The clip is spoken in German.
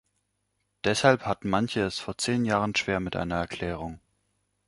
Deshalb hatten manche es vor zehn Jahren schwer mit einer Erklärung.